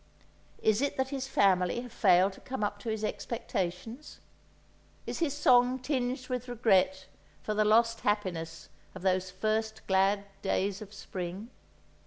Is it that his family have failed to come up to his expectations? Is his song tinged with regret for the lost happiness of those first glad days of spring?